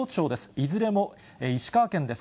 いずれも石川県です。